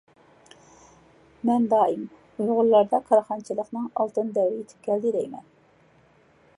مەن دائىم ئۇيغۇرلاردا كارخانىچىلىقنىڭ ئالتۇن دەۋرى يىتىپ كەلدى دەيمەن.